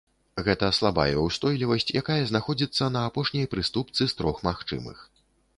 Гэта слабая ўстойлівасць, якая знаходзіцца на апошняй прыступцы з трох магчымых.